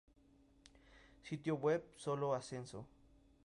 Sitio Web: Solo Ascenso.